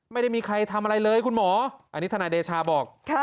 ไม่ได้มีใครทำอะไรเลยคุณหมออันนี้ทนายเดชาบอก